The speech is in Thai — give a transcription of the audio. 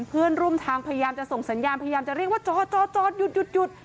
เพื่อนร่วมทางพยายามจะส่งสัญญาณพยายามจะเรียกว่าจอหยุด